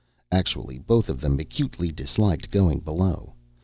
Actually both of them acutely disliked going below.